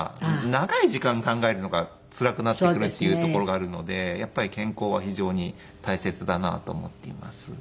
長い時間考えるのがつらくなってくるっていうところがあるのでやっぱり健康は非常に大切だなと思っています。